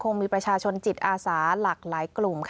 คงมีประชาชนจิตอาสาหลากหลายกลุ่ม